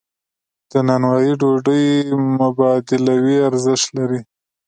د نانوایی ډوډۍ مبادلوي ارزښت لري.